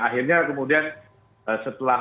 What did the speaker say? akhirnya kemudian setelah